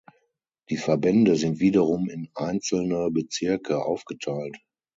Die Verbände sind wiederum in einzelne Bezirke aufgeteilt.